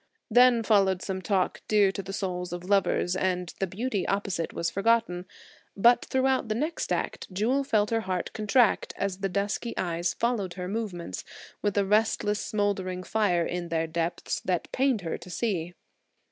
Then followed some talk dear to the souls of lovers and the beauty opposite was forgotten. But throughout the next act Jewel felt her heart contract as the dusky eyes followed her movements with a restless, smouldering fire in their depths that pained her to see.